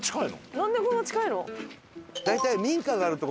なんでこんな近いの？